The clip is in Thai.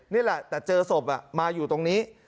นี่แหละแต่เจอศพมาอยู่ตรงนี้